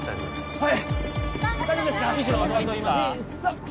はい！